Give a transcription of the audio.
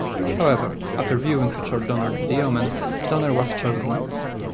However, after viewing Richard Donner's "The Omen", Donner was chosen.